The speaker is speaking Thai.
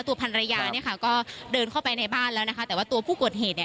ตัวภรรยาก็เดินเข้าไปในบ้านแล้วนะคะแต่ว่าตัวผู้กฎเหตุ